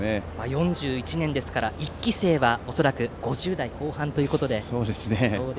４１年ですから、１期生は恐らく５０代後半ということで。